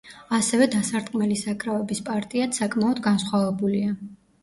ასევე, დასარტყმელი საკრავების პარტიაც საკმაოდ განსხვავებულია.